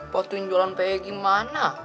bantuin jualan peyek gimana